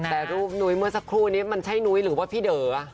แต่รูปนุ้ยเมื่อสักครู่นี้มันใช่นุ้ยหรือว่าพี่เด๋อ